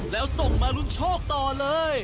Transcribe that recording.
แล้วส่งมารุนโชคต่อเลย